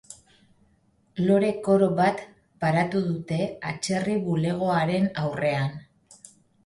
Lore-koro bat paratu dute atzerri bulegoaren aurrean.